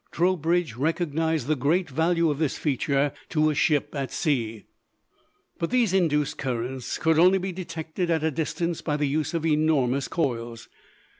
Trowbridge recognized the great value of this feature to a ship at sea. But these induced currents could only be detected at a distance by the use of enormous coils.